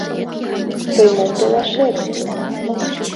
Тый мом толашет?